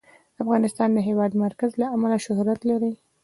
افغانستان د د هېواد مرکز له امله شهرت لري.